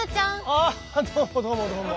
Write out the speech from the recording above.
ああどうもどうもどうも。